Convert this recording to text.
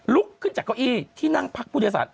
ลุกขึ้นจากเก้าอี้ที่นั่งพักผู้โดยสาร